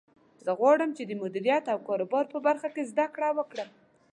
زه غواړم چې د مدیریت او کاروبار په برخه کې زده کړه وکړم